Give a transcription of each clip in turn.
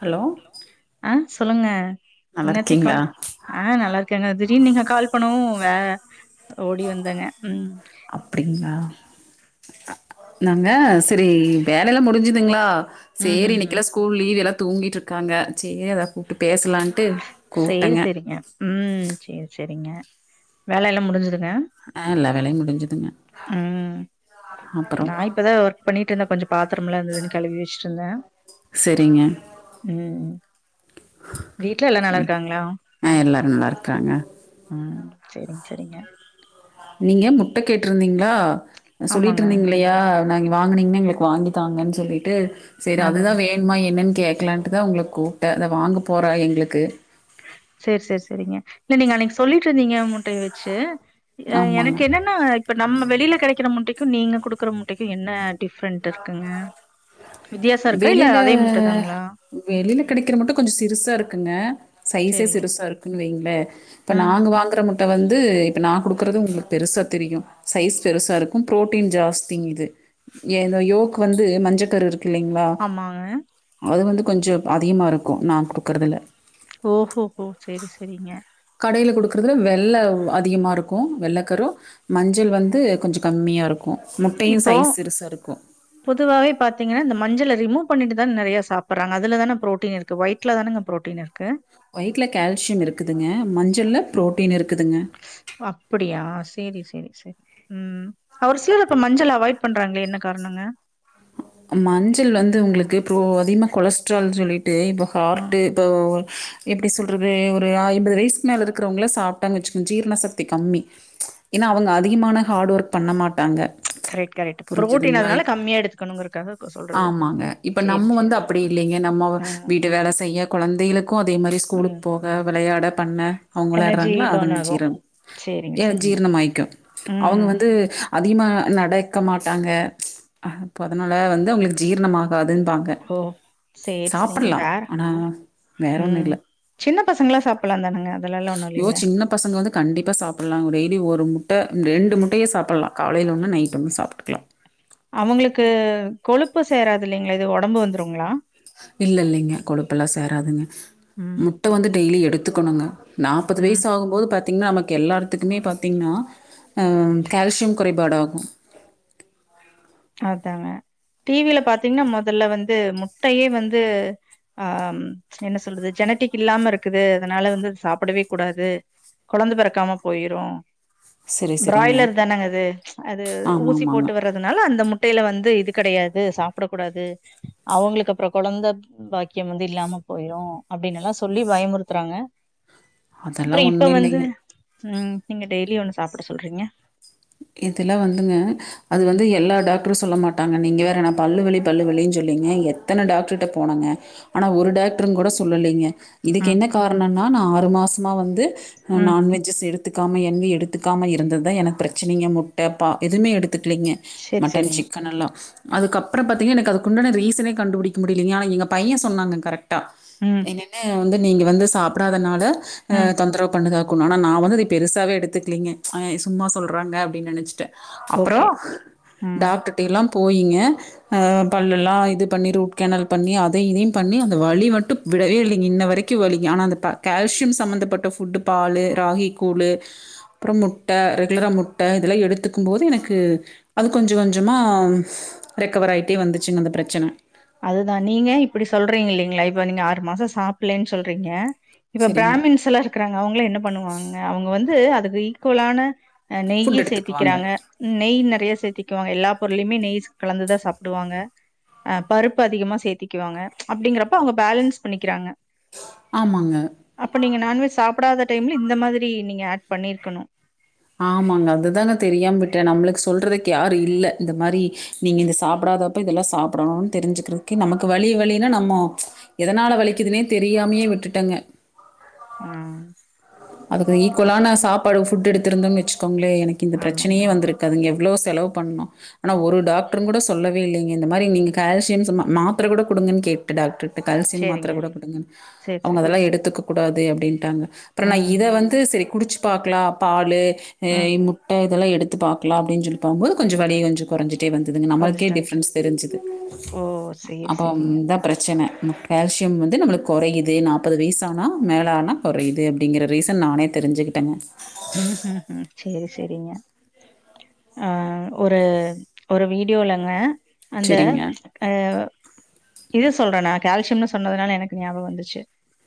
Hello அ சொல்லுங்க நல்லா இன்னத்தி இருக்கீங்களா கால் ஆ நல்லா இருகேங்க திடீர்ன்னு நீங்க கால் பண்ணுவு அ அப்டிங்ளா அ நாங்க செரி வேலலா முடிஞ்சுதுங்ளா ம் சேரி ம் ம் இன்னைக்குல ஸ் கூல் லீவு எல்லா தூங்கிட்ருக்காங்க சேர் அத கூப்ட்டு பேசலான்ட்டு சேர் கூப்ட்டங்க செரிங்க ம் சேர் செரிங்க வேல எல்லா முடிஞ்சுதுங்க அ எல்லா வேலையு முடிஞ்சுதுங்க ம் அப்புறம் நா இப்பதா ஒர்க் பண்ணிட்ருந்த கொஞ்சோ பாத்திரம்ல இருந்ததுன் கழுவி வச்சிட்ருந்த செரிங்க ம் வீட்ல எலா ம் அ எல்லாரும் நல்லாருக்காங்க அ செரிங் செரிங்க நீங்க முட்ட கேட்ருந்திங்ளா ஆமாங்க சொல்லிட்ருந்திங்கிலையா னங் வாங்குனீங்னா எங்களுக்கு வாங்கி தாங்கன் சொல்லிட்டு செரி அதா அதுதா அதா வே னுமா என்னன் கேக்லான்ட்டுதா உங்கள கூப்ட அத வாங்க போற எங்களுக்கு சேர் சேர் செரிங்க இல்ல நீங்க அன்னிக்கு சொல்லிட்ருந்தீங்க முட்டய வெச்சு அ ஆமாங்க எனக்கென்னன் னா இப்ப நம்ம வெளியில கிடைக்கிற முட்டைக்கும் நீங்க குடுக்குற முட்டைக்கும் என்ன டிஃப்ரெண்ட் இருக்குங்க வித்தியாசம் இருக்கா இல்ல வெளியில அதே முட்ட தாங்களா வெளியில கிடைக்கிற முட்ட கொஞ்சோ சிறுசா இருக்குங்க சைஸே சேரிங்க சிறுசா இருக்குன்னு வைங்ளே இப்ப ம் நாங்க வாங்குற முட்ட வந்து இப்ப நா குடுக்குறது உங்களுக்கு பெருசா தெரியு சைஸ் பெருசா இருக்கும் ப்ரோட்டீன் ஜாஸ்திங்க இது எதோ யோக் வந்து மஞ்சக்கரு இருக்கு இல்லைங்களா ஆமாங்க அது வந்து கொஞ்சோ அதிகமாக இருக்கு நா குடுக்குறதுல ஓ ஹோ ஹோ செரி செரிங்க கடையில குடுக்குறதுல வெள்ள அதிகமா இருக்கு வெள்ள கரு மஞ்சள் வந்து கொஞ்சோ கம்மியா இருக்கூ முட்டையு இப்போ சைஸ் சிறுசா இருக்கும் பொதுவாவே பாத்திங்கன்னா இந்த மஞ்சள ரிமுவ் பண்ணிட்டுதா நெறைய சாப்புட்றாங்க அதுல தான புரோட்டீன் இரு க்கு வைட்ல தானங்க புரோட்டின் இருக்கு வைட்ல கால்சியம் இருக்குதுங்க மஞ்சள்ல ப்ரோட்டீன் இருக்குதுங்க அப்படியா செரி செரி செரி ம் ஒரு சில ப மஞ்சள அவாய்ட் பண்றாங்களே என்ன காரணங்க மஞ்சள் வந்து உங்களுக்கு இப்போ அதிகமா கொலஸ்ட்ரால் சொல்லிட் டு இப்போ ம் ஹார்ட்டு இப்போ எப்டி சொல்றது ஒரு ஐம்பது வயசக்கு மேல இருக்கிறவங்கள சாப்ட்டா வெச்சுக்கோ ஜீரணசக்தி கம்மி ஏன்னா அவங்க அதிகமான ஹார்ட் ஒர்க் பண்ண மாட்டாங்க கரெக்ட் கரெக்ட் புரோட்டீன் புரிஞ்சுதுங்களா? அதனால இப் கம்மியா எடுத்துக்கணுங்குறதுக்காக ஆமாங்க இப்ப நம்ம வந்து அப்டி இல்லைங்க நம்மோ ம் வீட்டு வேல செய்ய கொழந்தைகளுக்கோ அதேமாரி ஸ்கூலுக்கு ம் போக விளையாட பண்ண அவங்க எனர்ஜி விளையாடுறாங்களா அது பர்ன் ஆகு முடிச்சிறாங்க சேரிங்க ஏ சேரிங்க ஜீரணம் ஆய்க்கும் அவுங்க ம் வந்து அதிகமாக நடக்க மாட்டாங்க அப்போ அதனால வந்து அவங்களுக்கு ஜீரணமாகாதுன்னுபாங் ங்க ஓ சேரி சேரிங்க சாப்பல்லா வேற ஆனா வேறு ஒன்னு ம். இல்ல சின்ன பசங்களா சாப்பிடலாதானங்க அததெல்லா ஒண்ணு யோ சின்னப் பசங்க வந்து கண்டிப்பா சாப்பலா டெய்லி ஒரு முட்ட ரெண்டு முட்டையை சாப்பல்லா காலையில ஒன்னு நைட்டு வந்து சாப்பிட்டுக்கலா அவங்களுக்கு கொழுப்பு சேராது இல்லைங்களா எது உடம்பு வந்துருங்களா இல்ல இல்லைங்க கொழுப்பெல்லா சேராதுங்க ம். முட்ட வந்து டெய்லி எடுத்துக்கணுங்க நாற்பது வயசு ம். ஆகும் போது பத் பாத்தீங்கன்னா நமக் எல்லாத்துக்குமே பாத்தீங்கன்னா கால்சியம் குறைபாடாகு அதாங்க டிவில பாத்தீங்கன்னா முதல்ல வந்து முட்டயே வந்து ஆ என்ன சொல்றது ஜெனட்டிக் இல்லாம இருக்குது அதனால வந்து அது சாப்பிடவே கூடாது கொழந்த பிறக்காம போயிரோ சரி சரிங்க பிராய்லர் தானேங்க அது அது ஆமா ஊசி ஆமாங்க போட்டு வறது அதனால அந்த முட்டையில வந்து இது கிடையாது சாப்பிடக்க கூடாது அவங்களுக்கு அப்றோ குழந்த பாக்கியம் வந்து இல்லாம போயிரு அப்டின்னு எல்லா சொல்லி பயமுறுத்துறாங்க அதெல்லா அப்றோ இப்ப ஒண்ணு வந்து இல்லைங்க ம் நீங்க டெய்லிய ஒண்ணு சாப்பிட சொல்றீங்க இதுல வந்துங்க அது வந்து எல்லா டாக்டரும் சொல்ல மாட்டாங்க நீங்க வேற என்னா பல்லு வலி பல்லு வலின்னு சொல்லீங்க எத்தன டாக்டர்ட்ட போனாங்க ஆனா ஒரு டாக்டர் கூட சொல்லலைங்க இதுக்கு ம் என்ன காரணம்னா நான் ஆறு மாசமா வந்து ம் நான்வெஜ்ஜஸ் எடுத் துக்காம எண்ணைய எடுத்துக்காமல் இருந்தது தான் எனக்கு பிரச்சனைங்க முட்டைப் ப எதுவுமே எடுத்துக்கலிங்க செரி மட்டன் செரிங்க சிக்கன் எல்லாம் அதுக்க அப்புறம் பாத்தீங்கன்ன எனக்கு அதுக்குண்டான ரீசனே கண்டுபிடிக்க முடியலங்க ஆனா எங்க பையன் சொன்னாங்க கரெக்டா ம் என்னன்னு வந்து நீங்க வந்து சாப்பிடாதனால ஆ ம் தொந்தரவு பண்ணதாக்கனும் ஆனா நா வந்து அது பெருசாகவே எடுத்துக்கலிங்க சும்மா சொல்கிறாங்க அப்டின்னு நினச்சிட்டேன் அப்பறோ ஓகே ம் டாக்டர்ட எல்லாம் போய்ங்க அ பல்ல எல்லாம் இது பண்ணி ரூட் கேனல் பண்ணி அதை இதையும் பண்ணி அந்த வலி மட்டும் விடவே இல்லைங்க இன்ன வரைக்கும் வலிங்க ஆனா அந்த ப கால்சியம் சம்மந்தப்பட்ட ஃபுட்டு பாலு ராகி கூழ்லு அப்றோ முட்ட ரெகுலரா முட்ட இதெல்லா எடுத்துக்கும் போது எனக்கு அது கொஞ்ச கொஞ்சமா ரெக்கவர் ஆயிட்டே வந்துச்சுங்க அந்த ப்ரச்சன அதுதா நீங்க இப்டி சொல்றீங்க இல்லைங்களா இப்போ நீங்க ஆறு மாசோ சாப்பிலன் சொல்றீங்க இப்ப சரிங்க. பிராமின்ஸ் எல்லா இருக்றாங்க அவங்களா என்ன பண்ணுவாங்க அவங்க வந்து அதுக்கு ஈக்குவலான அ நெய்யி ஃபுட் எடுத்துக்குவாங்க. சேத்திக்கிறாங்க நெய் நெறைய சேத்திக்குவங்க எல்லா பொருளயுமே நெய்ஸ் கலந்துதா சாப்டுவாங்க பருப்பு அதிகமா சேத்திக்குவாங்க அப்டிங்கறப்போ அவங்க பேலன்ஸ் பண்ணிக்கிறாங்க ஆமாங்க அப்ப நீங்க நான்வெஸ் சாப்டாத டைம்ல இந்த மாதிரி நீங்க ஆட் பண்ணி இருக்கணு ஆமாங்க அதுதான தெரியாம விட்டே நம்மளுக்கு சொல்றதுக்கு யாரு இல்ல இந்த மாரி நீங்க இந்த சாப்டாத எப்ப இதெல்லா சாப்டணு தெரிஞ்சிக்கறதுக்கே நமக்கு வலி வலினா நம்மோ எதனால வலிக்குதுனே தெரியாமயே விட்டுட்டங்க ஆ அதுக்கு ஈக்குவலான சாப்பாடு ஃபுட் எடுத்திருந்தோ வச்சுக்கோங்களே எனக்கு இந்த ஆமாங்க ப்ரச்சனயே வந்துருக் காதுங்க எவ்ளோ செலவு பண்ணோ ஆனா ஒரு டாக்டரு கூட சொல்லவே இல்லங்க இந்த மாரி நீங்க கால்சியம் சும்மா மாத்ர கூட குடுங்கன்னு கே ட்டே டாக்டர்ட்ட கால்சியம் மாத்ர செரிங்க கூட குடுங்கனு செரி அவுங்க செரி அதெல்லா எடுத்துக்கக் கூடாது அப்டின்டாங்க அப்றோ நா ம் இத வந்து செரி குடிச்சு பாக்கலா பாலு ஏ ம் முட்ட இதெல்லா எடுத்து பாக்லா அப்டி சொல்லி பாக்கும்போது கொஞ்ச வலி கொஞ்சோ கொறஞ்சிட்டே வந்துதுங்க நம்மளுக்கே கொறஞ்சிட்டு வந்துச்சு. டிப்ஃரன்ஸ் தெரிஞ்சுது ஓ! சேரி, அப்போ சேரிங்க. த பிரச்சன ம் கேல்சியம் வந்து நம்மளுக் கொறையுது நாப்பது வயிசானா மேலானா கொறையுது அப்டிங்கிற ரீசன் நானே தெரிஞ்சுக்கிட்டங்க சேரி செரிங்க ஆ ஒரு ஒரு வீடியோலங்க அந்த சரிங்க. ஆ இது சொல்றே நா கால்சியம்னு சொன்னதுனால எனக்கு ஞாபகோ வந்துச்சு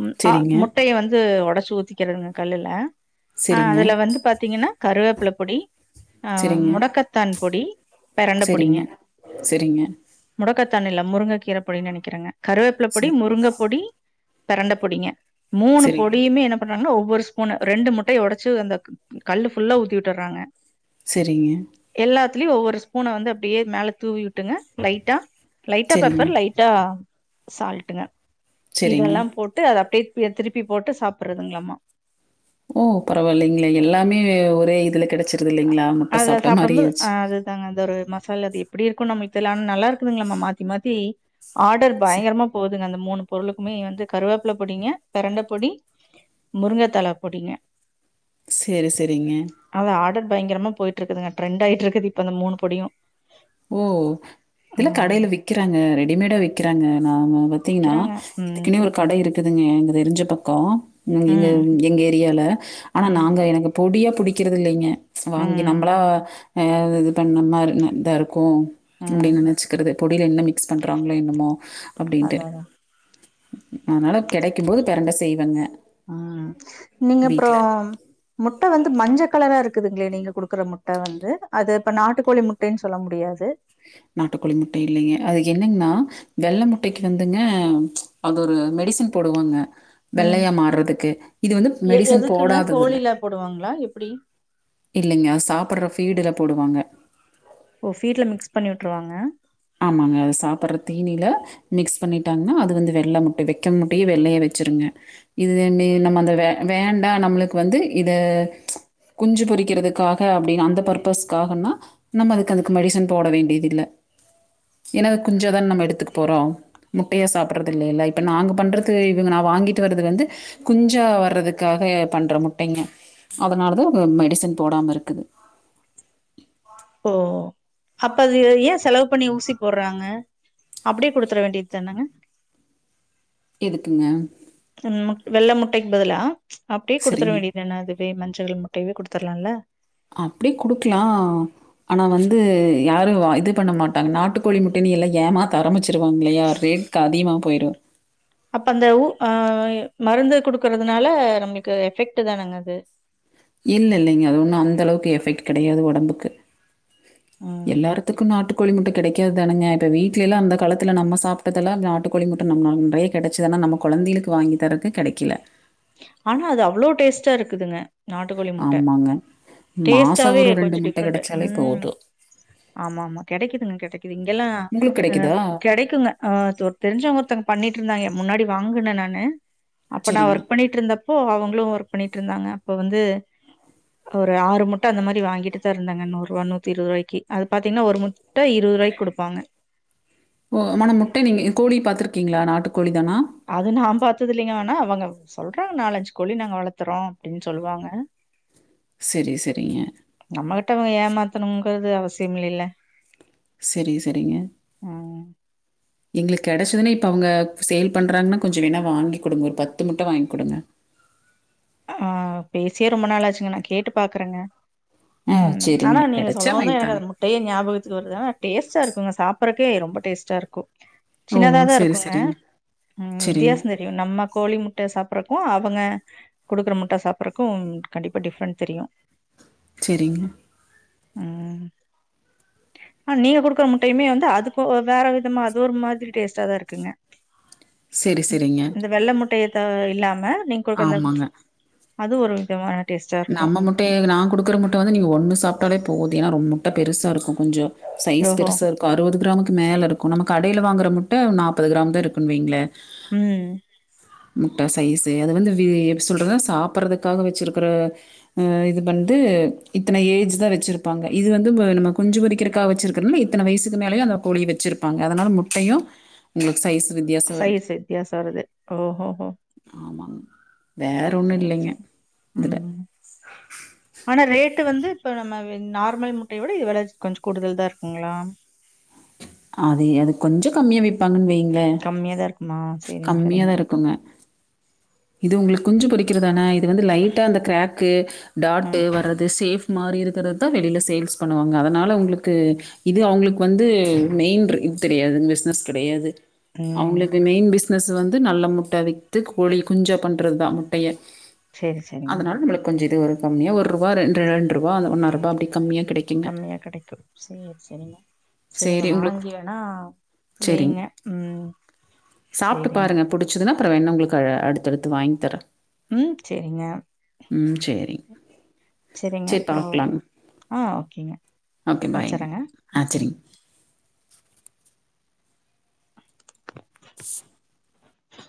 ம் ஆ சரிங்க. முட்டய வந்து ஒடச்சி ஊத்திக்கனுங்க கல்லுல ஆ சரிங்க. அதுல வந்து பாத்தீங்கனா கருவேப்பில பொடி ஆ சரிங்க. முடக்கத்தான் பொடி பெரண்ட பொடிங்க சரிங்க. சரிங்க. முடக்கத்தானில்ல முருங்க கீர பொடினு நெனைக்கிறேங்க கருவேப்ல ச பொடி முருங்க பொடி பெரண்ட பொடிங்க மூணு சரிங்க. பொடியுமே என்ன பண்றாங்கன்னா ஒவ்வொரு ஸ்பூனு ரெண்டு முட் டய ஒடச்சு அந்த கல்லு ஃபுல்லா ஊத்தி வுட்டர்றாங்க செரிங்க எல்லாத்துலயு ஒவ்வொரு ஸ்பூனு வந்து அப்டியே மேல தூவி உட்டுங்க லைட்டா லைட்டா சரிங்க. பெப்பர் லை ட்டா சால்ட்டுங்க சரிங்க. இதெல்லா போட்டு அத அப்டியே திருப்பி போட்டு சாப்பட்றதுங்களாமா ஓ பரவால்லைங்களே எல்லாமே ஒரே இதுல கெடச்சிருது இல்லைங்களா முட்டை அதுல சாப்பிட்ட சாப்டம்போது மாரியாச்சு. அ அது தாங்க அந்த ஒரு மசாலா அது எப்டி இருக்கு நம்மளுக்கு தெர்ல ஆனா நல்லா இருக்குதுங்களாம்மா மாத்தி மாத்தி ஆடர் ச பயங்கரமா போகுதுங்க அந்த மூணு பொருளுக்குமே வந்து கருவேப்ல பொடிங்க பெரண்ட பொடி முருங்கத் தழ பொடிங்க சேரி செரிங்க அது ஆடர் பயங்கரமா போயிட்ருக்குதுங்க டிரெண்ட் ஆயிட்ருக்குது இப்ப அந்த மூணு பொடியு ஓ இதுலா ம் கடைல விக்கிறாங்க ரெடிமேடா விக்கிறாங்க பாத்தீங்கன்னா விக்கிறாங்க ம் இதுக்குனே ஒரு கட இருக்குதுங்க எங்க தெரிஞ்ச பக்கோ எங்க எங்க ம் எங்க ஏரியால ஆனா ம் நாங்க எனக்கு பொடியா புடிக்கறதில்லைங்க வாங்கி ம் நம்மளா அ இது பண்ண மாரி இந்த ம் அப்டினு நெனச்சக்கிறது பொடில என்ன மிக்ஸ் பண்றாங்களோ என்னமோ அதா அப்டின்ட்டு அதா அதனால கெடைக்கு போது பெரண்ட செய்வங்க ஆ நீங்க அப்றோ முட்ட வந்து மஞ்சக் கலரா இருக்குதுங்களே நீங்க குடுக்குற முட்ட வந்து அது இப்ப நாட்டுக்கோழி முட்டைனு சொல்ல முடியாது நாட்டுக்கோழி முட்ட இல்லைங்க அது என்னங்னா வெள்ள முட்டக்கு வந்துங்க அது ஒரு மெடிசன் போடுவாங்க ம் வெள்ளையா மாறதுக்கு இது வந்து எ மெடிசன் எதுக்குங்க போடாததுங்க கோழில போடுவாங்களா எப்டி இல்லைங்க அது சாப்பட்ற ஃபீடுல போடுவாங்க ஓ ஃபீடுல மிக்ஸ் பண்ணி விட்ருவாங்க ஆமாங்க அது சாப்புட்ற தீனியில மிக்ஸ் பண்ணிட்டாங்ன்னா அது வந்து வெள்ள முட்ட வெக்க முட்டையே வெள்ளைய வெச்சிருங்க இது நி நம்ம அந்த வே வேண்டா நம்மளுக்கு வந்து இத குஞ்சு பொரிக்கிறதுக்காக அப்டினு அந்த பர்பஸ்க்காகன்னா நம்ம அதுக்கு அதுக்கு மெடிசன் போட வேண்டியது இல்ல ஏனா அத குஞ்சா தான நம்ம எடுத்துக்க போறோ முட்டையே சாப்புடுறது இல்லேல இப்ப நாங்க பண்றது இவுங்க நா வாங்கிட்டு வர்றது வந்து குஞ்சா வர்றதுக்காக பண்ற முட்டைங்க அதுனாலதா ம மெடிசன் போடாம இருக்குது ஓ அப்ப அது ஏ செலவு பண்ணி ஊசி போட்றாங்க அப்டியே குடுத்துர வேண்டியத்தான எதுக்குங்க அ வெள்ள முட்டைக்கு பதிலா அப்டியே குடுத்துட சரிங்க. வேண்டி தான அது பே மஞ்சள் முட்டையவே குடுத்துர்லால அப்டி குடுக்லா ஆனா வந்து யாரு இது பண்ண மாட்டாங்க நாட்டுக்கோழி முட்டனு எல்லா ஏமாத் த ஆரமிச்சுடுவாங்லயா ரேட்க்கு அதிகமா போய்டு அப்ப அந்த ஊ ஆ மருந்து குடுக்குறதுனால நம்மளுக்கு எஃபெக்ட் தானேங்க அது இல்ல இல்லைங்க அது ஒன்னு அந்த அளவுக்கு எஃபெக்ட் கெடையாது ஒடம்புக்கு ம் எல்லார்த்துக்கு நாட்டுக்கோழி முட்ட கெடைக்கது தானங்க இப்ப வீட்லயெல்லா அந்த காலத்துல நம்ம சாப்ட்டதெல்லா நாட்டுக்கோழி முட்ட நம்ம அன்றைக் கெடச்சதுன்னா நம்ம கொழந்தைளுக்கு வாங்கி தரக்கு கெடக்கில ஆனா அது அவ்ளோ டேஸ்ட்டா இருக்குதுங்க நாட்டு கோழி முட்ட ஆமாங்க மாதம் டேஸ்டாவே ஒரு ரெண்டு கொஞ்ச முட்டை டிஃப்ரெண்ட்டு கிடைச்சாலே ம் போதும் ஆமா ஆமா கெடக்கிதுங்க கெடக்கிது இங்கெல்லா உங்களுக்கு அ கிடைக்குதா கெடைக்குங்க ஆ தொர் தெரிஞ்சவங்க ஒருத்தங்க பண்ணிட்டு இருந்தாங்க முன்னாடி வாங்குன நானு அப்ப நா சரிங்க ஒர்க் பண்ணிட்டு இருந்தப்போ அவங்களு ஒர்க் பண்ணிட்டு இருந்தாங்க அப்ப வந்து ஒரு ஆறு முட்ட அந்த மாரி வாங்கிட்டு தா இருந்தாங்க நூர்ருவா நூத்தி இருவது ரூவாய்க்கு அது பாத்திங்கனா ஒரு முட்ட இருவது ரூவாய்க்கு குடுப்பாங்க ஓ மண முட்டை நீங்க கோழி பாத்துருக்கீங்ளா நாட்டுக்கோழி தானா அது நா பாத்ததில்லிங்க ஆனா அவங்க சொல்றாங்க நாலஞ்சு கோழி நாங்க வளத்துறோ அப்டின்னு சொல்லுவாங்க செரி செரிங்க நம்மகிட்ட அவங்க ஏமாத்தணுங்குறது அவசியம் இல்லைல்ல செரி செரிங்க ம் எங்களுக்கு கெடச்சுதுன்னா இப்ப அவுங்க சேல் பண்றாங்கன்னா கொஞ்சொ வேன்ணா வாங்கி குடுங்க ஒரு பத்து முட்ட வாங்கி குடுங்க ஆ பேசியே ரொம்ப நாளாச்சுங்க நா கேட்டு பாக்குறங்க ஆ ம் ஆனா சரிங்க நீங்க கிடைச்சா சொல்லமொதுதா எனக்கு வாங்கித்தாங்க அது முட் டையே ஞாபகத்துக்கு வருதுனா டேஸ்டா இருக்குங்க சாப்புறக்கே ரொம்ப டேஸ்டா இருக்கு சின்னதா ஓ தா சரி இருக்குங்க சரிங்க ம் சரிங்க வித்தியாசோ தெரி யு நம்ம கோழி முட்ட சாப்புறக்கு அவுங்க குடுக்குற முட்ட சாப்புறக்கு கண்டிப்பா டிஃப்ரெண்ட் தெரியு செரிங்க ஆ நீங்க குடுக்குற முட்டையுமே வந்து அதுக்கு வேற விதமா அது ஒரு மாதிரி டேஸ்ட்டா தா இருக்குங்க செரி செரிங்க இந்த வெள்ள முட்டைய த இல்லாம நீங்க கொடுக்கந்த ஆமாங்க. அது ஒரு விதமான டேஸ்ட்டா இருக்கும். நம்ம முட்டைய நா குடுக்குற முட்ட வந்து நீங்க ஒண்ணு சாப்ட்டாலே போது ஏன்னா ரொம் முட்ட பெருசா இருக்கு கொஞ்சோ சைஸ் ஓஹோ! பெருசா இரு அறுபது கிராமுக்கு மேலே இருக்கு நம்ம கடையில வாங்குற முட்ட நாப்பது கிராம் தா இருக்குன்னு வெயிங்களே ம் முட்டா சைசு அது வந்து வி எப்படி சொல்றதுனா சாப்பிடறதுக்காக வெச்சிருக்கற இது பந்து இத்தன ஏஜ் தானே வச்சிருப்பாங்க இது வந்து நம்ம குஞ்சு பொரிக்கிறக்காக வச்சிருக்க என்ன இத்தன வயசுக்கு மேலயு அந்த கோழி வச்சிருப்பாங்க அதனால முட்டையு உங்களுக்கு சைஸ் வித்தியாசோ வரு வித்தியசோ வருது ஓ ஓ ஓ ஆமா வேற ஒண்ணு இல்லைங்க சரி. இதுல ம். ஆனா ரேட்டு வந்து இப்ப நம்ம நார்மல் முட்டையவிட இது வேள கொஞ்சு கூடுதல் தா இருக்குங்களா அது அது கொஞ்சு கம்மியா விப்பாங்கன்னு வைங்களே கம்மியா தா இருக்குமா சரிங்க, சரிங்க. கம்மியாதா இருக்குங்க இது உங்களுக்கு குஞ்சு பொறிக்கிறதான இது வந்து லைட்டா அந்த கிரேக்கு டாட்டு ம், வர்றது சேஃப் மாறி இருக்கிறதுதா வெளியில சேல்ஸ் பண்ணுவாங்க அதனால உங்களுக்கு இது அவங்களுக்கு வந்து மெயின்ரு இது தெரியாது பிஸ்னஸ் கிடையாது ஆ அது மெயின் பிஸ்னஸ் வந்து நல்ல முட்ட வித்து கோழி குஞ்சா பண்றதுதா முட்டைய சரி, சரிங்க. அதனால நம்முளுக்கு ம். கொஞ்சு இது ஒரு கம்மியா ஒரு ரூபா ரெண்டு ரூபா ஒண்ணா ரூபா அப்படி கம்மியா கெடைக்கு கம்மியா கெடைக்கு செரி செரிங்க செரிங்க சரி உங்களுக்கு வாங்கிவேன்னா சரிங்க. வெயிங்க சாப்பிட்டு பாருங்க புடிச்சதுன்னா அப்புறோ வேன உங்களுக்கு அடுத்தடுத்து வாங்கி தரே ம் சரிங்க ம் செரி சரிங்க. செரி அப்புறம் பாக்கலாங்க ஆ ஓகேங்க. ஓக்கே பாயிங்க வச்சர்றேங்க. ஆ ம். சரிங்க